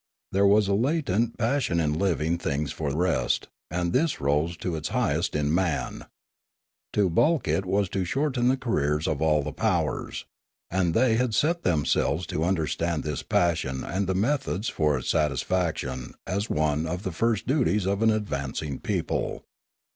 There was a latent passion in living things for rest: and this rose to its highest in man. To balk it was to shorten the career of all the powers. And they had set themselves to understand this passion and the methods for its satisfaction as one of the first duties of an advancing people.